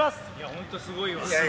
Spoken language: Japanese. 本当、すごいよね。